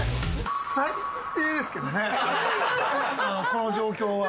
この状況は。